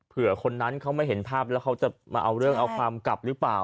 คนนั้นเขาไม่เห็นภาพแล้วเขาจะมาเอาเรื่องเอาความกลับหรือเปล่า